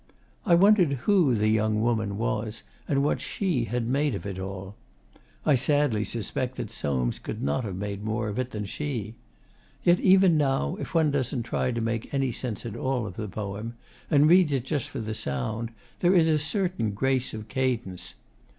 I wondered who the Young Woman was, and what she had made of it all. I sadly suspect that Soames could not have made more of it than she. Yet, even now, if one doesn't try to make any sense at all of the poem, and reads it just for the sound, there is a certain grace of cadence.